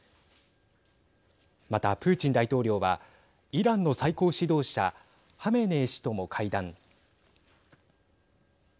また、プーチン大統領はイランの最高指導者ハメネイ師とも会談。